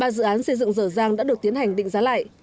ba dự án xây dựng dở dàng đã được tiến hành định giá lại